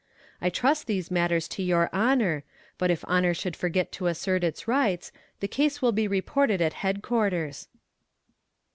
I trust these matters to your honor, but if honor should forget to assert its rights, the case will be reported at headquarters."